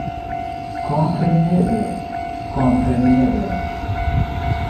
Kompreneble, kompreneble!